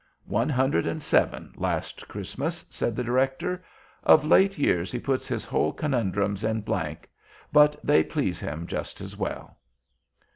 "One hundred and seven last Christmas," said the Director. "Of late years he puts his whole Conundrums in blank—but they please him just as well."